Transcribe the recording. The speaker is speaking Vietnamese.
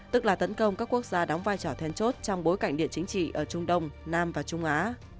tức là tấn công các quốc gia đóng vai trò then chốt trong bối cảnh địa chính trị ở trung đông nam và trung á